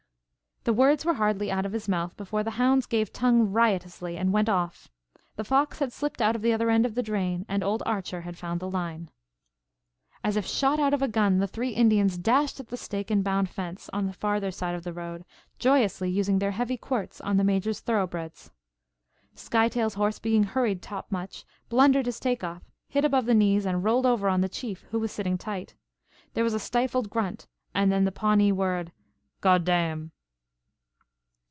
The words were hardly out of his mouth before the hounds gave tongue riotously and went off. The fox had slipped out of the other end of the drain and old Archer had found the line. As if shot out of a gun the three Indians dashed at the stake and bound fence on the farther side of the road, joyously using their heavy quirts on the Major's thoroughbreds. Skytail's horse being hurried top much, blundered his take off, hit above the knees and rolled over on the Chief, who was sitting tight. There was a stifled grunt and then the Pawnee word "Go dam!"